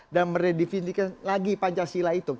dan meredivisikan lagi pancasila itu